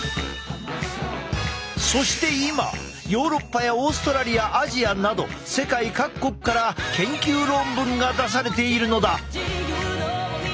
そして今ヨーロッパやオーストラリアアジアなど世界各国から研究論文が出されているのだ。